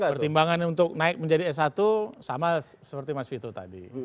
pertimbangan untuk naik menjadi s satu sama seperti mas vito tadi